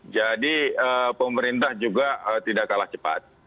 jadi pemerintah juga tidak kalah cepat